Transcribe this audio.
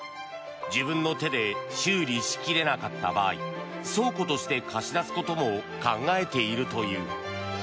自分の手で修理しきれなかった場合倉庫として貸し出すことも考えているという。